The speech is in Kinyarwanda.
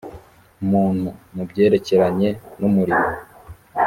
muntu mu byerekeranye n umurimo